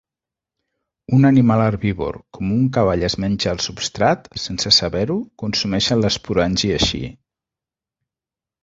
Un animal herbívor, com un cavall es menja el substrat, sense saber-ho, consumeixen l'esporangi així.